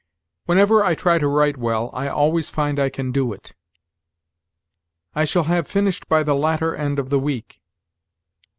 "Whenever I try to write well, I always find I can do it." "I shall have finished by the latter end of the week."